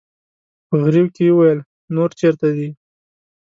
په غريو کې يې وويل: نور چېرته دي؟